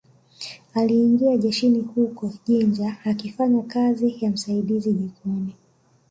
Aliingia jeshini huko Jinja akifanya kazi ya msaidizi jikoni